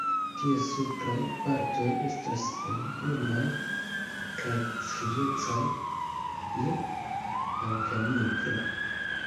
Ties supraj partoj estas helbrunaj kaj striecaj je blankanigra.